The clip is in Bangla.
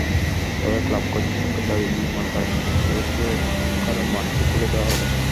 তবে ক্লাব কর্তৃপক্ষের দাবি, নির্মাণকাজ শেষ করে মাঠটি খুলে দেওয়া হবে।